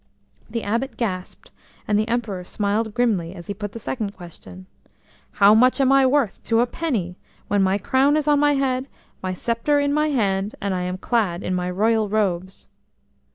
The Abbot gasped, and the Emperor smiled grimly as he put the second question. "How much am I worth to a penny, when my crown is on my head, my sceptre in my hand, and I am clad in my royal robes?"